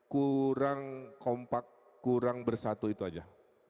kurang kompak kurang bersatu itu aja